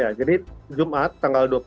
ya jadi jumat tanggal jumat